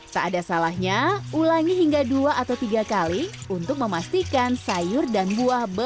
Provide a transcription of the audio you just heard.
tak ada salahnya ulangi hingga dua atau tiga kali untuk memastikan sayur dan buah berjalan